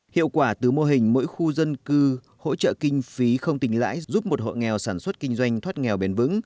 hiệu quả từ mô hình mỗi khu dân cư hỗ trợ kinh phí không tình lãi giúp một hộ nghèo sản xuất kinh doanh thoát nghèo bền vững